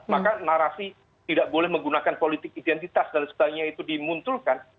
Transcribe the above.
maka narasi tidak boleh menggunakan politik identitas dan sebagainya itu dimunculkan